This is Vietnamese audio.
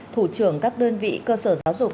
thủ trưởng các đơn vị cơ sở giáo dục